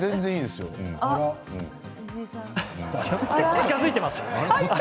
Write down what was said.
近づいています。